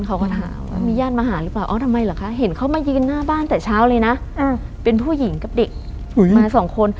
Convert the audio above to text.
เขาก็ถามว่ามีญาติมาหาหรือเปล่าอ๋อทำไมเหรอคะเห็นเขามายืนหน้าบ้านแต่เช้าเลยนะเป็นผู้หญิงกับเด็กมาสองคน